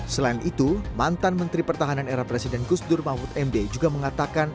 selain itu mantan menteri pertahanan era presiden gusdur mahfud md juga mengatakan